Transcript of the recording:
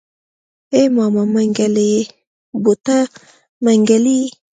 ای ماما منګلی يې بوته منګلی.